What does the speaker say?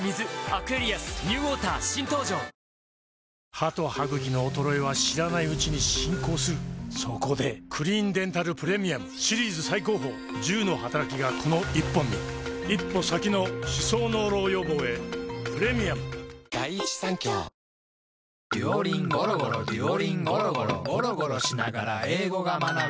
歯と歯ぐきの衰えは知らないうちに進行するそこで「クリーンデンタルプレミアム」シリーズ最高峰１０のはたらきがこの１本に一歩先の歯槽膿漏予防へプレミアムついにできましたのんあるハイボールです